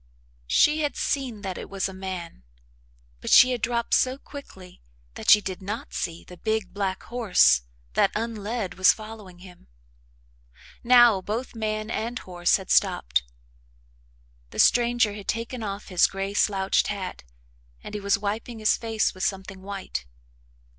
She had seen that it was a man, but she had dropped so quickly that she did not see the big, black horse that, unled, was following him. Now both man and horse had stopped. The stranger had taken off his gray slouched hat and he was wiping his face with something white.